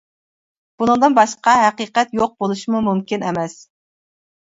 بۇنىڭدىن باشقا ھەقىقەت يوق بولۇشىمۇ مۇمكىن ئەمەس.